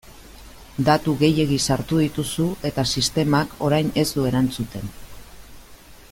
Datu gehiegi sartu dituzu eta sistemak orain ez du erantzuten.